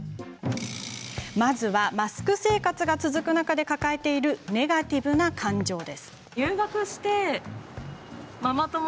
まずは、マスク生活が続く中で抱えているネガティブな感情。